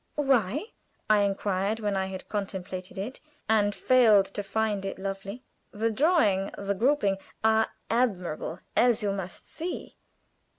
"Why?" I inquired when I had contemplated it, and failed to find it lovely. "The drawing, the grouping, are admirable, as you must see.